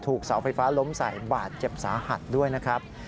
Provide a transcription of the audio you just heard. เสาไฟฟ้าล้มใส่บาดเจ็บสาหัสด้วยนะครับ